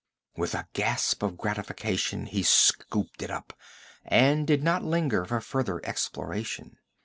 With a gasp of gratification he scooped it up, and did not linger for further exploration.